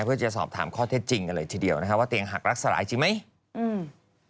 เพื่อจะสอบถามข้อเท็จจริงกันเลยทีเดียวนะคะว่าเตียงหักรักสลายจริงไหมอืม